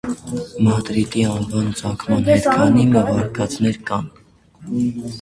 Մատրիտի անուան ծագման հետ քանի մը վարկածներ կան։